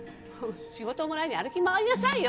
仕事もらいに歩き回りなさいよ！